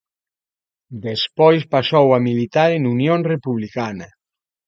Despois pasou a militar en Unión Republicana.